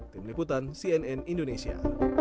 tim liputan cnn indonesia